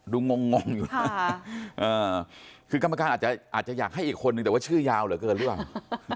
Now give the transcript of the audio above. ดูงงคือก้ามการอาจจะอาจจะอยากให้อีกคนหนึ่งแต่ว่าชื่อยาวเหลือเกินหรือว่า